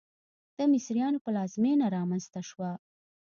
د مصریانو پلازمېنه رامنځته شوه.